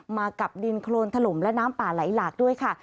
มากับดินโครนถล่มและน้ำป่าไหลหลากด้วยค่ะ